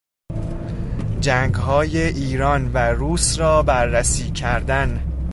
جنگهای ایران و روس را بررسی کردن